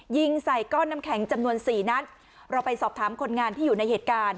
ยิงใส่ก้อนน้ำแข็งจำนวนสี่นัดเราไปสอบถามคนงานที่อยู่ในเหตุการณ์